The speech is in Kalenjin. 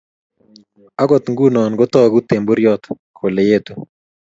Akot nguno kotoku temburyot kole etu